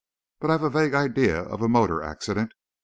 But I've a vague idea of a motor accident.